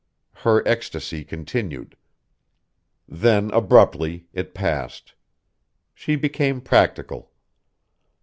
Her ecstasy continued.... Then, abruptly, it passed. She became practical.